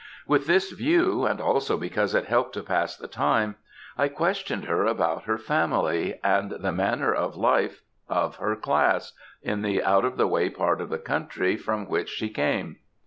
With this view, and also because it helped to pass the time, I questioned her about her family, and the manner of life of her class, in the out of the way part of the country from which she came.